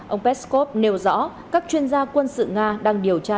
ông peskov nêu rõ các chuyên gia quân sự nga đang điều tra